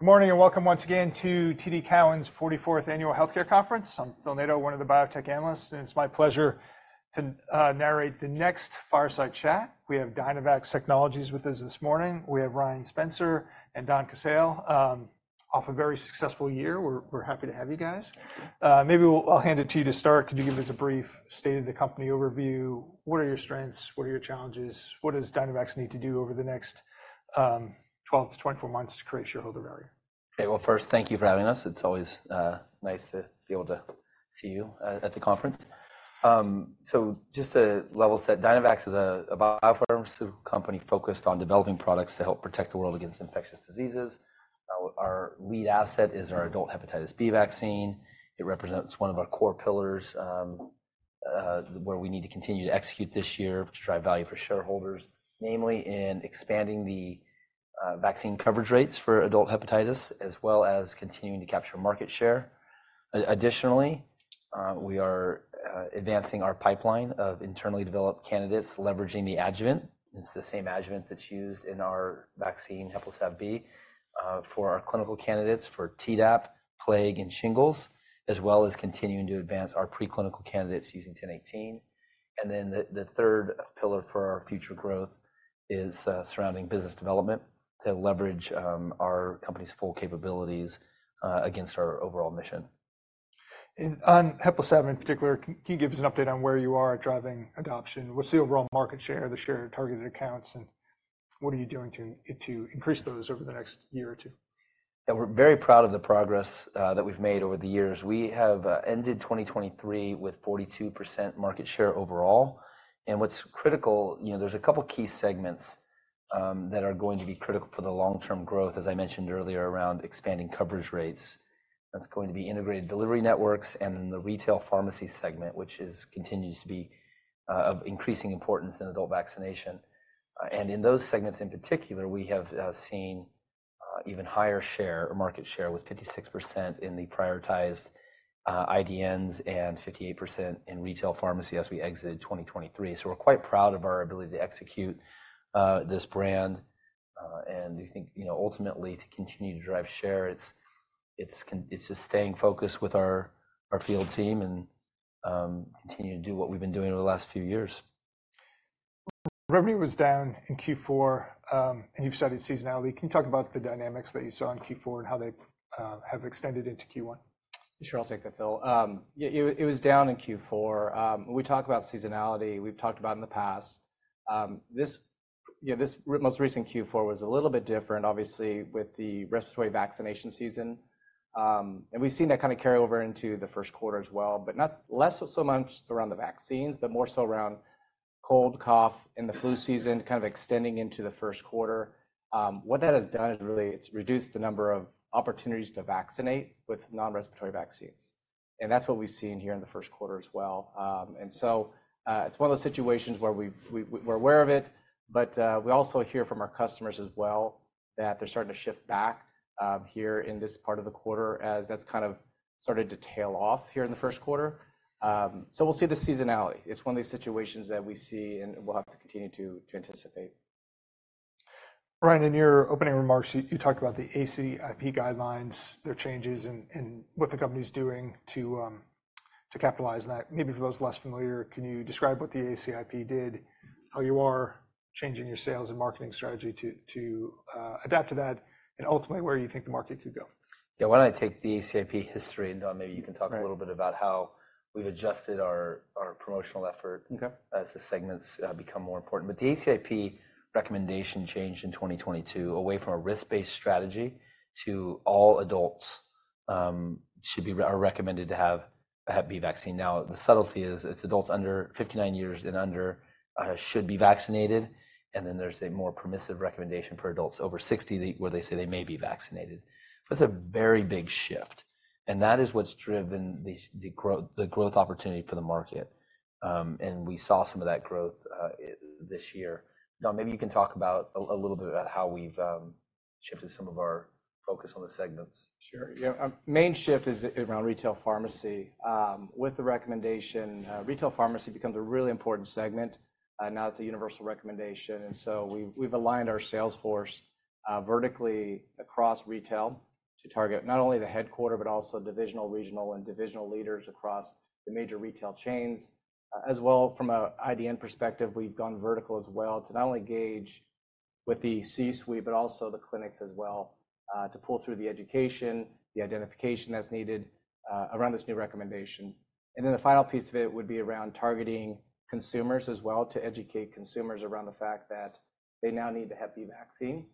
Good morning, and welcome once again to TD Cowen's 44th Annual Healthcare Conference. I'm Phil Nadeau, one of the biotech analysts, and it's my pleasure to narrate the next Fireside Chat. We have Dynavax Technologies with us this morning. We have Ryan Spencer and Donn Casale. Off a very successful year. We're happy to have you guys. Maybe we'll hand it to you to start. Could you give us a brief state of the company overview? What are your strengths? What are your challenges? What does Dynavax need to do over the next 12-24 months to create shareholder value? Okay, well, first, thank you for having us. It's always nice to be able to see you at the conference. So just to level set, Dynavax is a biopharmaceutical company focused on developing products to help protect the world against infectious diseases. Our lead asset is our adult hepatitis B vaccine. It represents one of our core pillars, where we need to continue to execute this year to drive value for shareholders, namely in expanding the vaccine coverage rates for adult hepatitis, as well as continuing to capture market share. Additionally, we are advancing our pipeline of internally developed candidates, leveraging the adjuvant. It's the same adjuvant that's used in our vaccine, HEPLISAV-B, for our clinical candidates, for Tdap, plague, and shingles, as well as continuing to advance our preclinical candidates using 1018. The third pillar for our future growth is surrounding business development to leverage our company's full capabilities against our overall mission. On HEPLISAV in particular, can you give us an update on where you are at driving adoption? What's the overall market share, the share of targeted accounts, and what are you doing to increase those over the next year or two? Yeah, we're very proud of the progress that we've made over the years. We have ended 2023 with 42% market share overall. And what's critical... You know, there's a couple key segments that are going to be critical for the long-term growth, as I mentioned earlier, around expanding coverage rates. That's going to be integrated delivery networks and then the retail pharmacy segment, which continues to be of increasing importance in adult vaccination. And in those segments in particular, we have seen even higher share or market share, with 56% in the prioritized IDNs, and 58% in retail pharmacy as we exited 2023. We're quite proud of our ability to execute this brand, and we think, you know, ultimately, to continue to drive share, it's just staying focused with our field team and continuing to do what we've been doing over the last few years. Revenue was down in Q4, and you've cited seasonality. Can you talk about the dynamics that you saw in Q4 and how they have extended into Q1? Sure, I'll take that, Phil. Yeah, it was down in Q4. When we talk about seasonality, we've talked about in the past, this, you know, this most recent Q4 was a little bit different, obviously, with the respiratory vaccination season. And we've seen that kinda carry over into the first quarter as well, but not less so much around the vaccines, but more so around cold, cough, and the flu season kind of extending into the first quarter. What that has done is really it's reduced the number of opportunities to vaccinate with non-respiratory vaccines, and that's what we've seen here in the first quarter as well. It's one of those situations where we're aware of it, but we also hear from our customers as well, that they're starting to shift back here in this part of the quarter, as that's kind of started to tail off here in the first quarter. So we'll see the seasonality. It's one of these situations that we see, and we'll have to continue to anticipate. Ryan, in your opening remarks, you talked about the ACIP guidelines, their changes, and what the company is doing to capitalize that. Maybe for those less familiar, can you describe what the ACIP did, how you are changing your sales and marketing strategy to adapt to that, and ultimately, where you think the market could go? Yeah, why don't I take the ACIP history, and Donn, maybe you can talk- Right... a little bit about how we've adjusted our promotional effort- Okay... as the segments become more important. But the ACIP recommendation changed in 2022 away from a risk-based strategy to all adults are recommended to have a hep B vaccine. Now, the subtlety is, it's adults under 59 years and under should be vaccinated, and then there's a more permissive recommendation for adults over 60, the, where they say they may be vaccinated. That's a very big shift, and that is what's driven the the growth, the growth opportunity for the market. And we saw some of that growth this year. Donn, maybe you can talk about a little bit about how we've shifted some of our focus on the segments. Sure, yeah. Our main shift is around retail pharmacy. With the recommendation, retail pharmacy becomes a really important segment. Now, it's a universal recommendation, and so we've aligned our sales force vertically across retail to target not only the headquarters but also divisional, regional, and divisional leaders across the major retail chains. As well, from an IDN perspective, we've gone vertical as well to not only engage with the C-suite, but also the clinics as well, to pull through the education, the identification that's needed around this new recommendation. And then the final piece of it would be around targeting consumers as well, to educate consumers around the fact that they now need the hep B vaccine.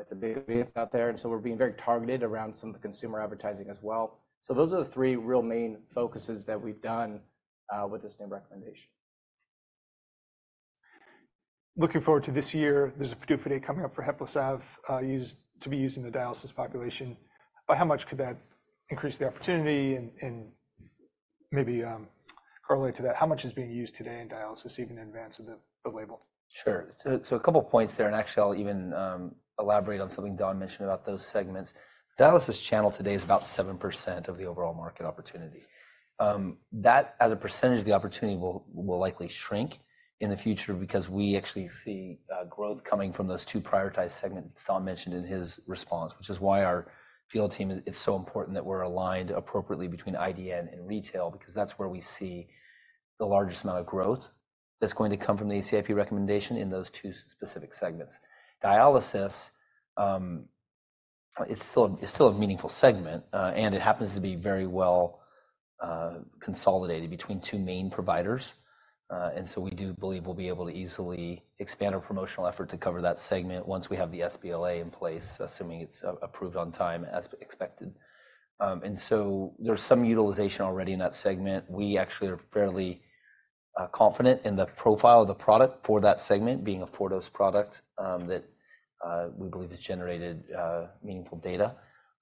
It's a big advance out there, and so we're being very targeted around some of the consumer advertising as well. So those are the three real main focuses that we've done with this new recommendation. Looking forward to this year, there's a PDUFA date coming up for HEPLISAV, used to be used in the dialysis population. By how much could that increase the opportunity and, and maybe correlated to that, how much is being used today in dialysis, even in advance of the label? Sure. So a couple points there, and actually, I'll even elaborate on something Donn mentioned about those segments. Dialysis channel today is about 7% of the overall market opportunity. That, as a percentage of the opportunity, will likely shrink in the future because we actually see growth coming from those two prioritized segments Donn mentioned in his response, which is why it's so important that we're aligned appropriately between IDN and retail, because that's where we see the largest amount of growth that's going to come from the ACIP recommendation in those two specific segments. Dialysis is still a meaningful segment, and it happens to be very well consolidated between two main providers. and so we do believe we'll be able to easily expand our promotional effort to cover that segment once we have the sBLA in place, assuming it's approved on time, as expected. and so there's some utilization already in that segment. We actually are fairly confident in the profile of the product for that segment, being a four-dose product, that we believe has generated meaningful data.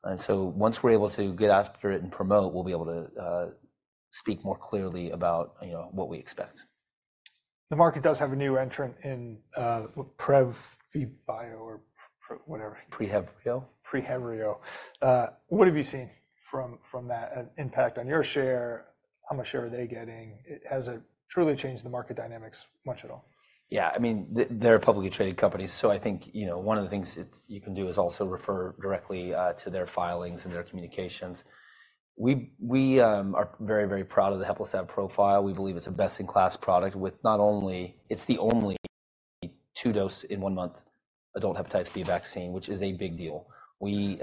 And so once we're able to get after it and promote, we'll be able to speak more clearly about, you know, what we expect. The market does have a new entrant in PreHevbrio or whatever. PreHevbrio? PreHevbrio. What have you seen from that, an impact on your share? How much share are they getting? Has it truly changed the market dynamics much at all? Yeah, I mean, they, they're a publicly traded company, so I think, you know, one of the things you can do is also refer directly to their filings and their communications. We are very, very proud of the HEPLISAV-B profile. We believe it's a best-in-class product with not only... It's the only 2-dose in 1-month adult hepatitis B vaccine, which is a big deal. We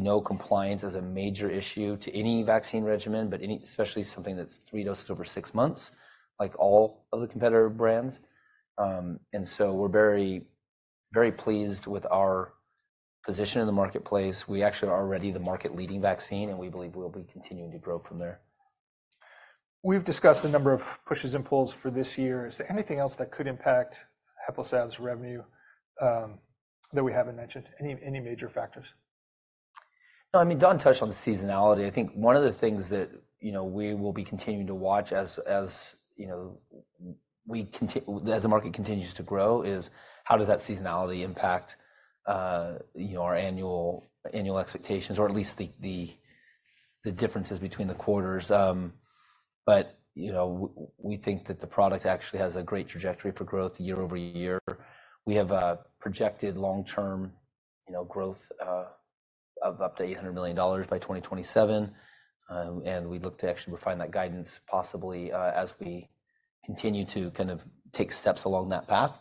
know compliance is a major issue to any vaccine regimen, but especially something that's 3 doses over 6 months, like all of the competitor brands. And so we're very, very pleased with our position in the marketplace. We actually are already the market-leading vaccine, and we believe we'll be continuing to grow from there. We've discussed a number of pushes and pulls for this year. Is there anything else that could impact HEPLISAV-B's revenue, that we haven't mentioned? Any major factors? No, I mean, Donn touched on the seasonality. I think one of the things that, you know, we will be continuing to watch as, you know, as the market continues to grow, is how does that seasonality impact, you know, our annual expectations, or at least the differences between the quarters. But, you know, we think that the product actually has a great trajectory for growth year-over-year. We have a projected long-term, you know, growth, of up to $800 million by 2027. And we look to actually refine that guidance, possibly, as we continue to kind of take steps along that path.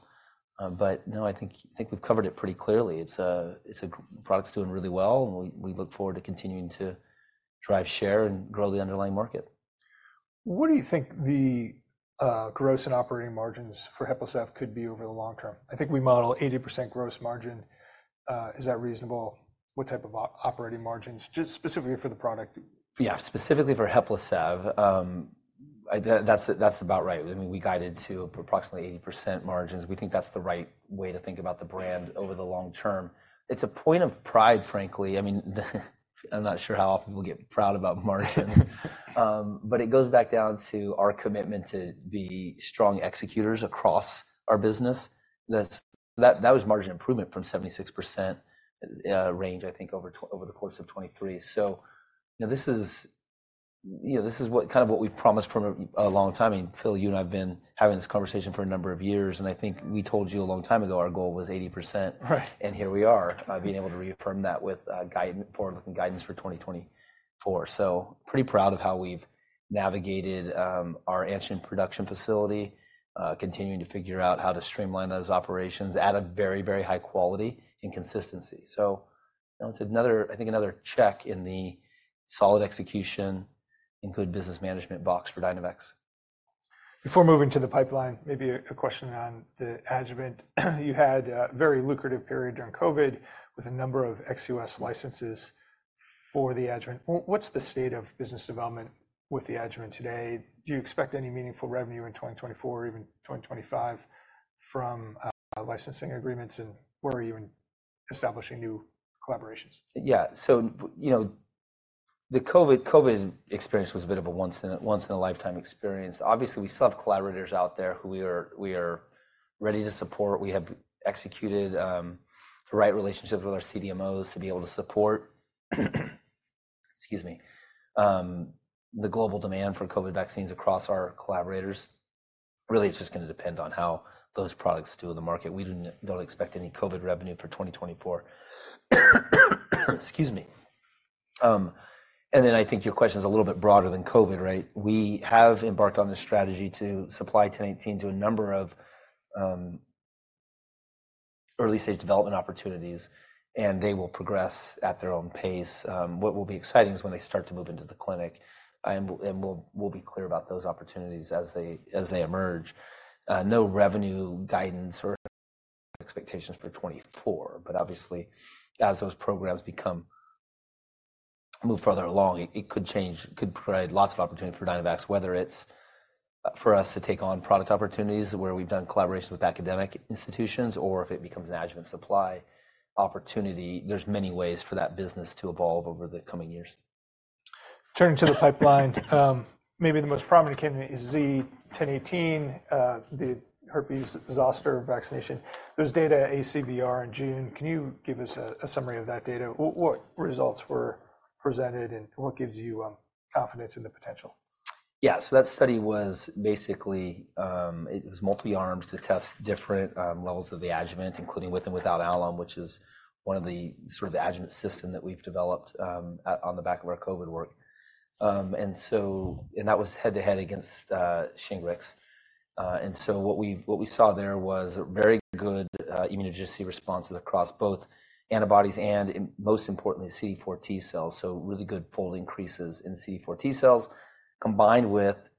But no, I think, I think we've covered it pretty clearly. The product's doing really well, and we look forward to continuing to drive share and grow the underlying market. What do you think the gross and operating margins for HEPLISAV could be over the long term? I think we model 80% gross margin. Is that reasonable? What type of operating margins, just specifically for the product? Yeah, specifically for HEPLISAV, that's about right. I mean, we guided to approximately 80% margins. We think that's the right way to think about the brand over the long term. It's a point of pride, frankly. I mean, I'm not sure how often we'll get proud about margins. But it goes back down to our commitment to be strong executors across our business. That was margin improvement from 76% range, I think, over the course of 2023. So, you know, this is what kind of what we've promised for a long time. I mean, Phil, you and I have been having this conversation for a number of years, and I think we told you a long time ago our goal was 80%. Right. Here we are, being able to reaffirm that with guidance—forward-looking guidance for 2024. So pretty proud of how we've navigated our Anshin production facility, continuing to figure out how to streamline those operations at a very, very high quality and consistency. So it's another, I think, another check in the solid execution and good business management box for Dynavax. Before moving to the pipeline, maybe a question on the adjuvant. You had a very lucrative period during COVID, with a number of ex-U.S. licenses for the adjuvant. What's the state of business development with the adjuvant today? Do you expect any meaningful revenue in 2024 or even 2025 from licensing agreements? And where are you in establishing new collaborations? Yeah. So, you know, the COVID, COVID experience was a bit of a once in a lifetime experience. Obviously, we still have collaborators out there who we are ready to support. We have executed the right relationships with our CDMOs to be able to support, excuse me, the global demand for COVID vaccines across our collaborators. Really, it's just gonna depend on how those products do in the market. We don't expect any COVID revenue for 2024. Excuse me. And then I think your question is a little bit broader than COVID, right? We have embarked on a strategy to supply 1018 to a number of early-stage development opportunities, and they will progress at their own pace. What will be exciting is when they start to move into the clinic, and, and we'll, we'll be clear about those opportunities as they, as they emerge. No revenue guidance or expectations for 2024, but obviously, as those programs become... move further along, it, it could change. It could provide lots of opportunity for Dynavax, whether it's, for us to take on product opportunities, where we've done collaborations with academic institutions, or if it becomes an adjuvant supply opportunity. There's many ways for that business to evolve over the coming years.... Turning to the pipeline, maybe the most prominent candidate is Z-1018, the herpes zoster vaccination. There's data, ACVR in June. Can you give us a summary of that data? What results were presented, and what gives you confidence in the potential? Yeah. So that study was basically, it was multi-arms to test different, levels of the adjuvant, including with and without alum, which is one of the sort of the adjuvant system that we've developed, at, on the back of our COVID work. And so-- and that was head-to-head against, Shingrix. And so what we, what we saw there was very good, immunogenicity responses across both antibodies and in, most importantly, CD4 T cells, so really good fold increases in CD4 T cells, combined with,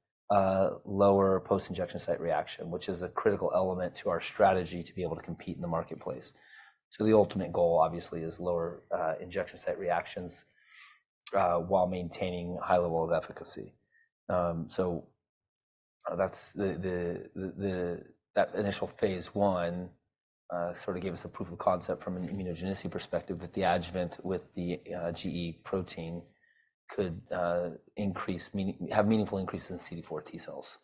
lower post-injection site reaction, which is a critical element to our strategy to be able to compete in the marketplace. So the ultimate goal, obviously, is lower, injection site reactions, while maintaining a high level of efficacy. So that initial phase I sort of gave us a proof of concept from an immunogenicity perspective that the adjuvant with the gE protein could have meaningful increases in CD4 T cells.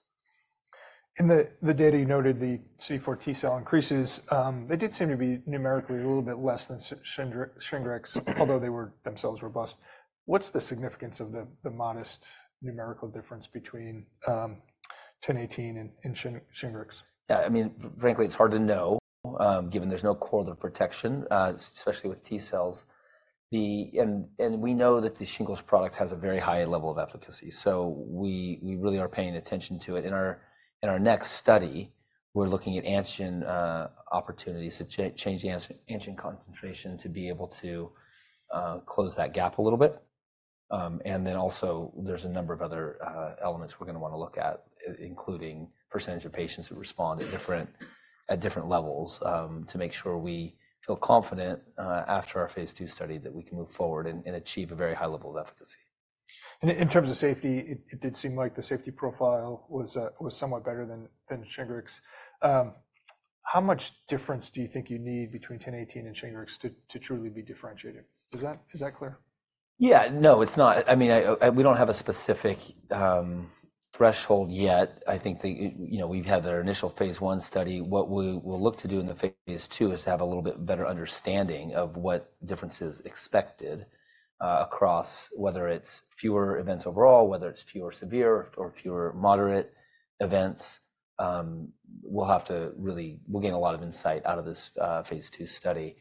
In the data you noted, the CD4 T cell increases, they did seem to be numerically a little bit less than Shingrix, although they were themselves robust. What's the significance of the modest numerical difference between Z-1018 and Shingrix? Yeah, I mean, frankly, it's hard to know, given there's no correlate of protection, especially with T cells. And we know that the shingles product has a very high level of efficacy, so we really are paying attention to it. In our next study, we're looking at antigen opportunities to change the antigen concentration to be able to close that gap a little bit. And then also, there's a number of other elements we're gonna wanna look at, including percentage of patients who respond at different levels, to make sure we feel confident, after our phase II study, that we can move forward and achieve a very high level of efficacy. In terms of safety, it did seem like the safety profile was somewhat better than Shingrix. How much difference do you think you need between 1018 and Shingrix to truly be differentiated? Is that clear? Yeah. No, it's not. I mean, We don't have a specific threshold yet. I think you know, we've had our initial phase I study. What we will look to do in the phase II is to have a little bit better understanding of what difference is expected across whether it's fewer events overall, whether it's fewer severe or fewer moderate events. We'll have to really. We'll gain a lot of insight out of this phase II study.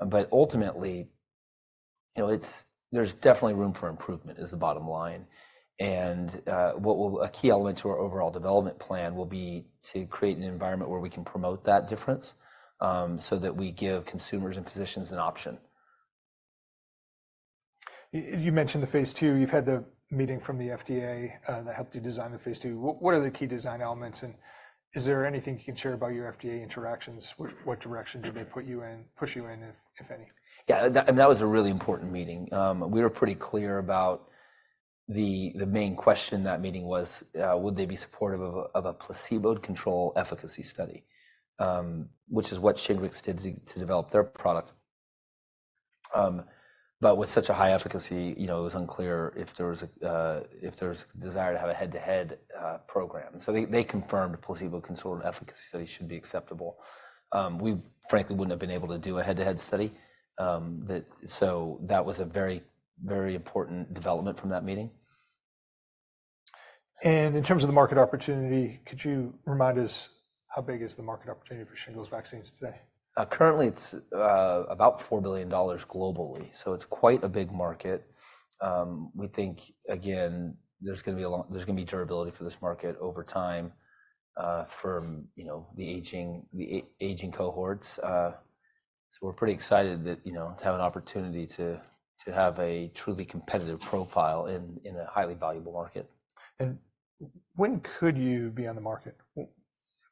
But ultimately, you know, it's. There's definitely room for improvement, is the bottom line. And what will. A key element to our overall development plan will be to create an environment where we can promote that difference, so that we give consumers and physicians an option. You mentioned the phase II. You've had the meeting from the FDA that helped you design the phase II. What are the key design elements, and is there anything you can share about your FDA interactions? What direction did they put you in, push you in, if any? Yeah, that and that was a really important meeting. We were pretty clear about the main question in that meeting was, would they be supportive of a placebo-controlled efficacy study? Which is what Shingrix did to develop their product. But with such a high efficacy, you know, it was unclear if there was desire to have a head-to-head program. So they confirmed a placebo-controlled efficacy study should be acceptable. We frankly wouldn't have been able to do a head-to-head study. So that was a very, very important development from that meeting. In terms of the market opportunity, could you remind us how big is the market opportunity for shingles vaccines today? Currently, it's about $4 billion globally, so it's quite a big market. We think, again, there's gonna be durability for this market over time, from, you know, the aging cohorts. So we're pretty excited that, you know, to have an opportunity to have a truly competitive profile in a highly valuable market. When could you be on the market?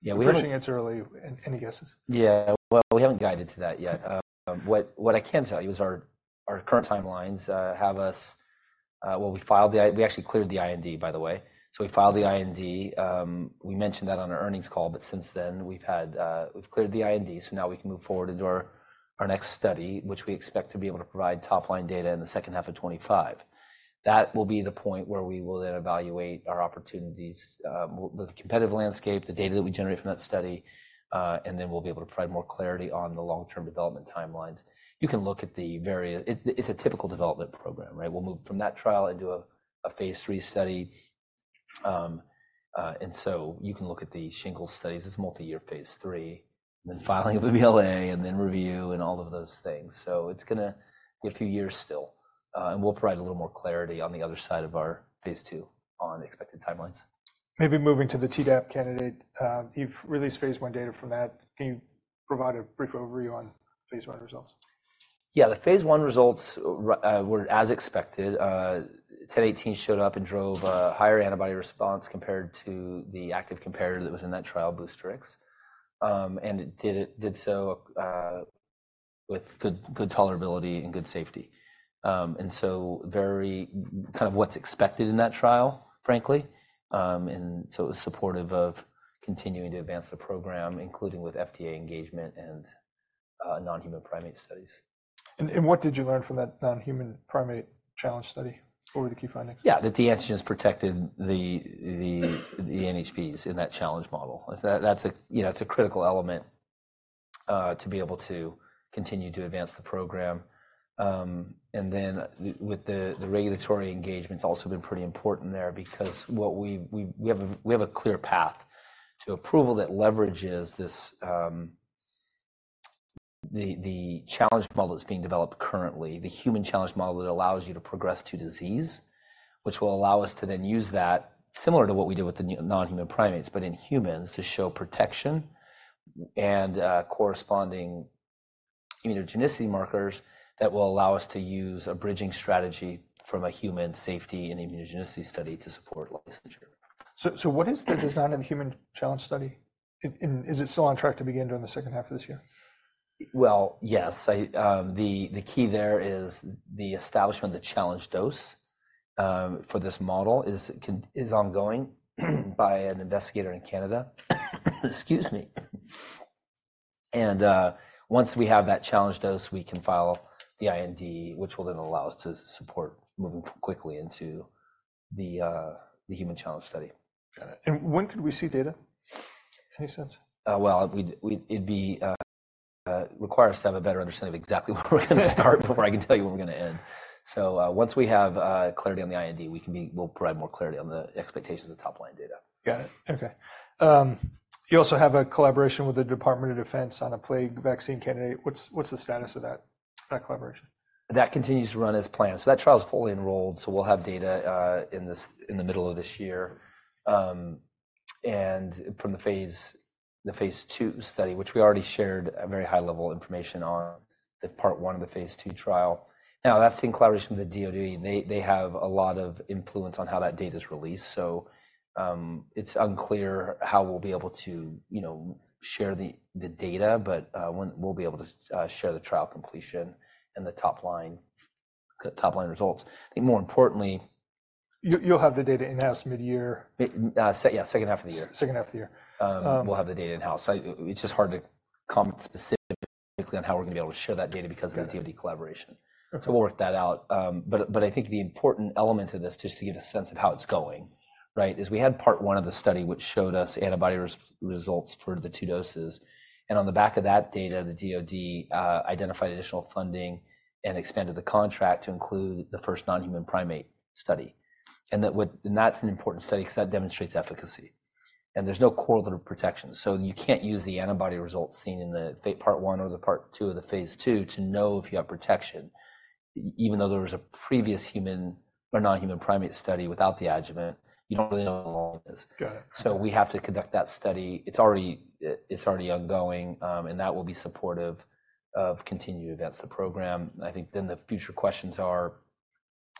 Yeah, we- Pressing answer early, any guesses? Yeah. Well, we haven't guided to that yet. What I can tell you is our current timelines have us. Well, we filed the IND. We actually cleared the IND, by the way. So we filed the IND. We mentioned that on our earnings call, but since then, we've cleared the IND, so now we can move forward into our next study, which we expect to be able to provide top-line data in the second half of 2025. That will be the point where we will then evaluate our opportunities with the competitive landscape, the data that we generate from that study, and then we'll be able to provide more clarity on the long-term development timelines. You can look at the various. It's a typical development program, right? We'll move from that trial into a phase III study. And so you can look at the shingles studies. It's a multi-year phase III, and then filing of the BLA, and then review, and all of those things. So it's gonna be a few years still, and we'll provide a little more clarity on the other side of our phase II on the expected timelines. Maybe moving to the Tdap candidate. You've released phase I data from that. Can you provide a brief overview on phase I results? Yeah, the phase I results were as expected. 1018 showed up and drove a higher antibody response compared to the active comparator that was in that trial, Boostrix. And it did it, did so, with good, good tolerability and good safety. And so very kind of what's expected in that trial, frankly. And so it was supportive of continuing to advance the program, including with FDA engagement and non-human primate studies. And what did you learn from that non-human primate challenge study? What were the key findings? Yeah, that the antigens protected the NHPs in that challenge model. That's a, you know, it's a critical element to be able to continue to advance the program. And then with the regulatory engagement's also been pretty important there because we have a clear path to approval that leverages this challenge model that's being developed currently, the human challenge model, that allows you to progress to disease, which will allow us to then use that, similar to what we did with the non-human primates, but in humans, to show protection and corresponding immunogenicity markers that will allow us to use a bridging strategy from a human safety and immunogenicity study to support licensure. So, what is the design of the human challenge study? And, is it still on track to begin during the second half of this year? Well, yes. The key there is the establishment of the challenge dose for this model is ongoing, by an investigator in Canada. Excuse me. Once we have that challenge dose, we can file the IND, which will then allow us to support moving quickly into the human challenge study. Got it, and when could we see data? Any sense? Well, it'd require us to have a better understanding of exactly where we're gonna start before I can tell you where we're gonna end. So, once we have clarity on the IND, we'll provide more clarity on the expectations of top-line data. Got it. Okay. You also have a collaboration with the Department of Defense on a plague vaccine candidate. What's the status of that collaboration? That continues to run as planned. So that trial is fully enrolled, so we'll have data in this, in the middle of this year. And from the phase, the phase II study, which we already shared a very high level information on the part one of the phase II trial. Now, that's in collaboration with the DOD. They, they have a lot of influence on how that data is released, so, it's unclear how we'll be able to, you know, share the, the data, but, we'll, we'll be able to, share the trial completion and the top line, the top-line results. I think more importantly- You'll have the data in-house mid-year? Yeah, second half of the year. Second half of the year. We'll have the data in-house. It's just hard to comment specifically on how we're gonna be able to share that data because- Got it... of the DOD collaboration. Okay. So we'll work that out. But I think the important element to this, just to give a sense of how it's going, right, is we had part one of the study, which showed us antibody results for the two doses, and on the back of that data, the DOD identified additional funding and expanded the contract to include the first non-human primate study. And that's an important study because that demonstrates efficacy, and there's no correlative protection. So you can't use the antibody results seen in the phase, part one or the part two of the phase two to know if you have protection. Even though there was a previous human or non-human primate study without the adjuvant, you don't really know all this. Got it. So we have to conduct that study. It's already ongoing, and that will be supportive of continued advancement of the program. I think then the future questions are: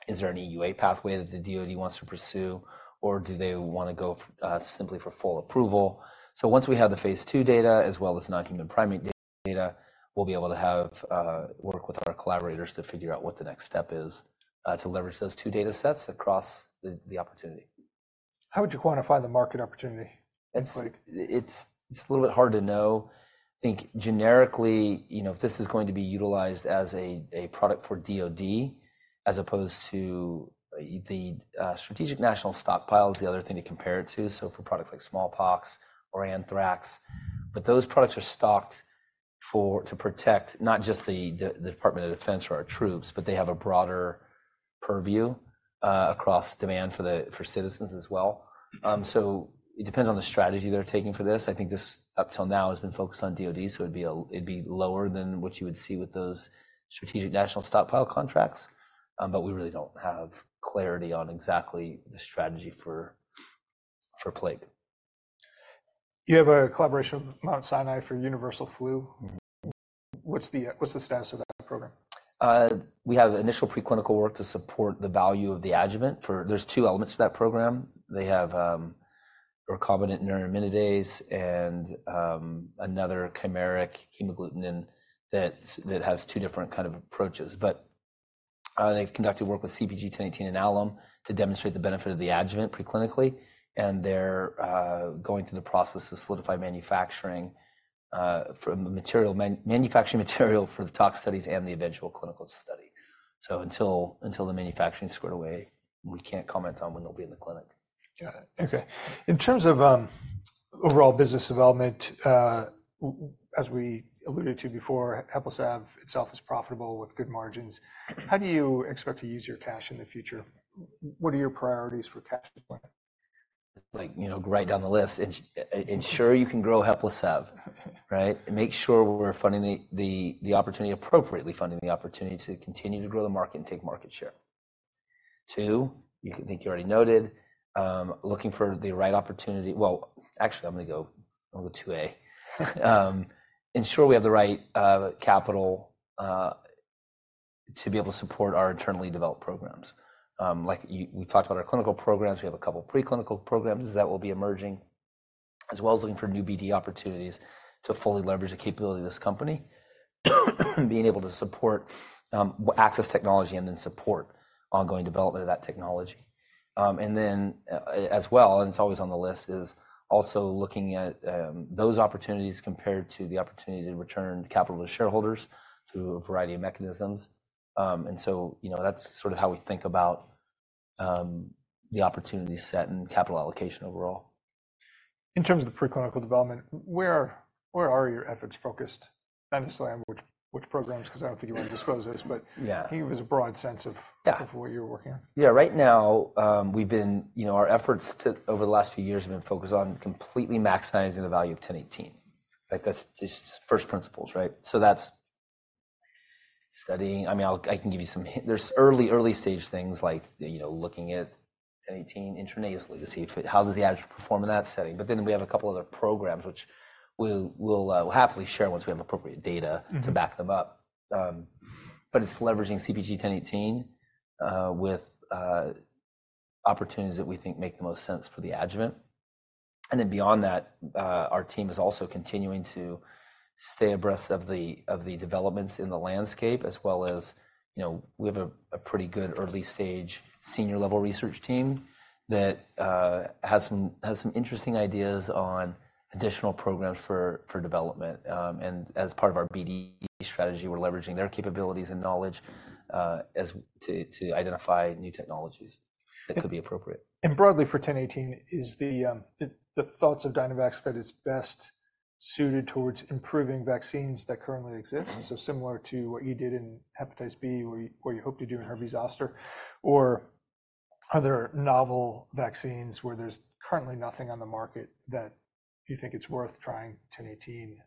Is there an EUA pathway that the DOD wants to pursue, or do they wanna go simply for full approval? So once we have the phase 2 data, as well as non-human primate data, we'll be able to work with our collaborators to figure out what the next step is to leverage those two data sets across the opportunity. How would you quantify the market opportunity? It's a little bit hard to know. I think generically, you know, if this is going to be utilized as a product for DOD, as opposed to the Strategic National Stockpile is the other thing to compare it to, so for products like smallpox or anthrax. But those products are stocked for to protect not just the Department of Defense or our troops, but they have a broader purview across demand for the citizens as well. Mm-hmm. So it depends on the strategy they're taking for this. I think this, up till now, has been focused on DOD, so it'd be lower than what you would see with those strategic national stockpile contracts, but we really don't have clarity on exactly the strategy for plague. You have a collaboration with Mount Sinai for universal flu. Mm-hmm. What's the, what's the status of that program? We have initial preclinical work to support the value of the adjuvant for... There's two elements to that program. They have recombinant neuraminidase and another chimeric hemagglutinin that has two different kind of approaches. But they've conducted work with CpG 1018 and alum to demonstrate the benefit of the adjuvant preclinically, and they're going through the process to solidify manufacturing from the manufacturing material for the tox studies and the eventual clinical study. So until the manufacturing is squared away, we can't comment on when they'll be in the clinic. Got it. Okay. In terms of overall business development, as we alluded to before, HEPLISAV-B itself is profitable with good margins. How do you expect to use your cash in the future? What are your priorities for cash deployment? Like, you know, right down the list, ensure you can grow HEPLISAV-B, right? Make sure we're funding the opportunity, appropriately funding the opportunity to continue to grow the market and take market share. Two, I think you already noted, looking for the right opportunity... Well, actually, I'm gonna go with two, A, ensure we have the right capital to be able to support our internally developed programs. We talked about our clinical programs, we have a couple preclinical programs that will be emerging, as well as looking for new BD opportunities to fully leverage the capability of this company.... being able to support access technology and then support ongoing development of that technology. And then, as well, and it's always on the list, is also looking at those opportunities compared to the opportunity to return capital to shareholders through a variety of mechanisms. And so, you know, that's sort of how we think about the opportunity set and capital allocation overall. In terms of the preclinical development, where, where are your efforts focused? Obviously, I mean, which, which programs? 'Cause I don't think you wanna disclose those, but- Yeah. give us a broad sense of Yeah... of what you're working on. Yeah. Right now, we've been, you know, our efforts to, over the last few years, have been focused on completely maximizing the value of 1018. Like, that's just first principles, right? So that's studying. I mean, I can give you some. There's early, early-stage things like, you know, looking at 1018 intranasally to see if it, how does the adjuvant perform in that setting? But then we have a couple other programs, which we'll, we'll, we'll happily share once we have appropriate data- Mm... to back them up. But it's leveraging CpG 1018, with opportunities that we think make the most sense for the adjuvant. And then beyond that, our team is also continuing to stay abreast of the developments in the landscape, as well as, you know, we have a pretty good early-stage senior-level research team that has some interesting ideas on additional programs for development. And as part of our BD strategy, we're leveraging their capabilities and knowledge, as to identify new technologies that could be appropriate. Broadly, for 1018, is the thoughts of Dynavax that it's best suited towards improving vaccines that currently exist? Mm. So similar to what you did in hepatitis B, or you hope to do in herpes zoster, or other novel vaccines where there's currently nothing on the market that you think it's worth trying 1018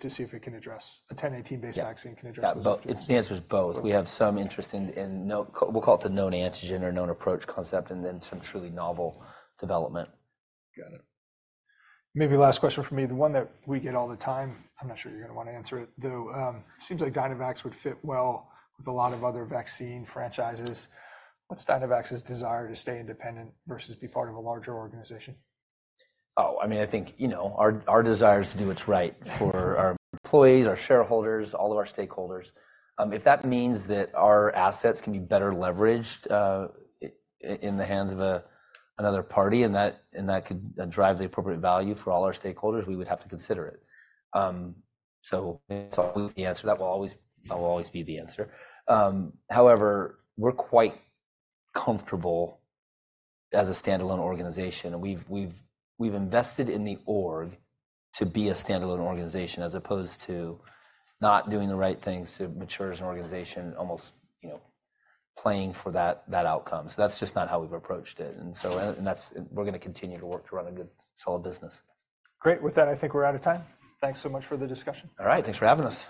to see if it can address a 1018-based vaccine- Yeah Can address those needs? Yeah, both. It's the answer is both. Both. We have some interest in known, we'll call it the known antigen or known approach concept, and then some truly novel development. Got it. Maybe last question from me, the one that we get all the time, I'm not sure you're gonna want to answer it, though. Seems like Dynavax would fit well with a lot of other vaccine franchises. What's Dynavax's desire to stay independent versus be part of a larger organization? I mean, I think, you know, our desire is to do what's right for our employees, our shareholders, all of our stakeholders. If that means that our assets can be better leveraged in the hands of another party, and that could drive the appropriate value for all our stakeholders, we would have to consider it. So it's the answer that will always be the answer. However, we're quite comfortable as a standalone organization, and we've invested in the org to be a standalone organization, as opposed to not doing the right things to mature as an organization, almost, you know, playing for that outcome. So that's just not how we've approached it, and that's-- we're gonna continue to work to run a good, solid business. Great! With that, I think we're out of time. Thanks so much for the discussion. All right. Thanks for having us.